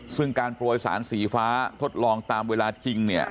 ซึ่งการโปรยสารสีฟ้าทดลองตามเวลาจริงเนี่ย